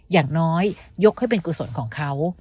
อย่างน้อยยกให้เป็นกุศลของเขา